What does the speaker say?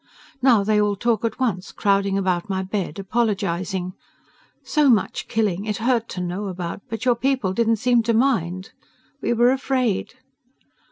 Now they all talk at once, crowding about my bed, apologizing. "So much killing. It hurt to know about. But your people didn't seem to mind." "We were afraid."